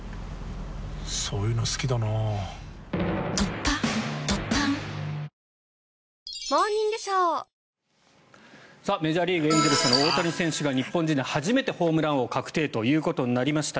ペイトクメジャーリーグエンゼルスの大谷選手が日本人で初めてホームラン王確定ということになりました。